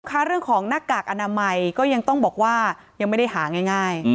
ค่ะเรื่องของหน้ากากอนามัยก็ยังต้องบอกว่ายังไม่ได้หาง่าย